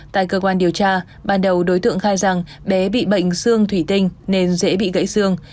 tại cơ quan điều tra ban đầu đối tượng khai rằng bé bị bệnh xương thủy tinh nên dễ bị gãy xương